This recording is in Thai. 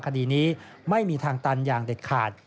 คดีนี้ไม่มีทางตันอย่างเด็ดขาด